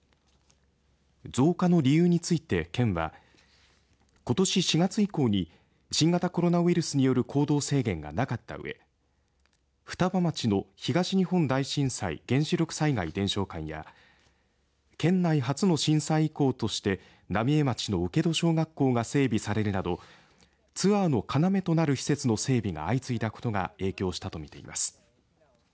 増加の理由について県はことし４月以降に新型コロナウイルスによる行動制限がなかったうえ双葉町の東日本大震災・原子力災害伝承館や県内初の震災遺構として浪江町の請戸小学校が整備されるなどツアーの要となる施設の整備が相次いだことが影響したと見ています。